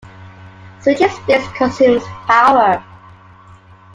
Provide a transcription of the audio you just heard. Switching states consumes power.